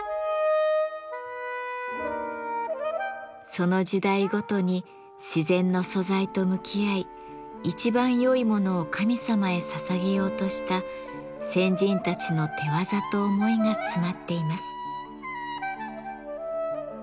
その時代ごとに自然の素材と向き合い一番よいものを神様へささげようとした先人たちの手業と思いが詰まっています。